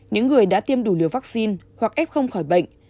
những người đã tiêm đủ liều vaccine hoặc ép không khỏi bệnh